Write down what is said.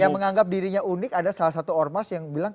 yang menganggap dirinya unik ada salah satu ormas yang bilang